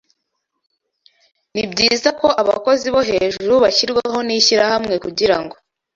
nibyiza ko abakozi bo hejuru bashyirwaho nishyirahamwe kugirango